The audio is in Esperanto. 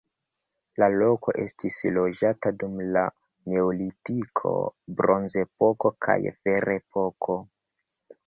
La loko estis loĝata dum la neolitiko, bronzepoko kaj ferepoko.